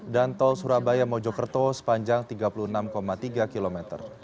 dan tol surabaya mojokerto sepanjang tiga puluh enam tiga km